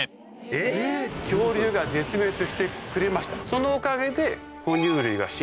そのおかげで。